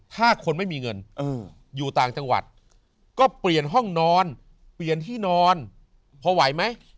ถ้าคนไม่มีเงินอยู่ต่างจังหวัดก็เปลี่ยนห้องนอนเปลี่ยนที่นอนพอไหวไหม